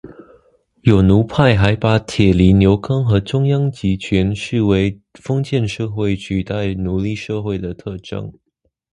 有奴派还把铁犁牛耕和中央集权视为封建社会取代奴隶社会的特征。